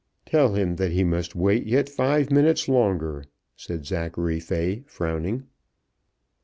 "Tell him that he must wait yet five minutes longer," said Zachary Fay, frowning.